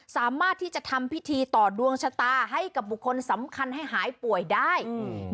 สามารถที่จะทำพิธีต่อดวงชะตาให้กับบุคคลสำคัญให้หายป่วยได้อืม